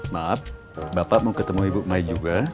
maaf bapak mau ketemu ibu mai juga